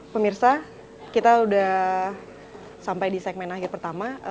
pemirsa kita sudah sampai di segmen akhir pertama